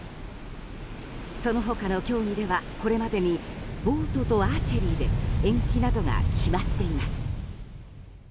そのほかの競技ではこれまでにボートとアーチェリーで延期などが決まっています。